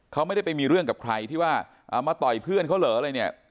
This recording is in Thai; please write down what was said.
เขาไม่ได้ไปมีเรื่องกับใครที่ว่ามาต่อยเพื่อนเขาเหรออะไรเนี่ย